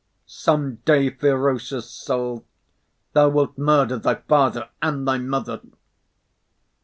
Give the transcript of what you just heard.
some day, ferocious soul, thou wilt murder thy father and thy mother!"